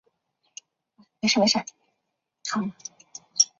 总部位于平壤市牡丹峰区战胜洞广电大楼。